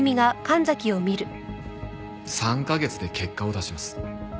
３カ月で結果を出します。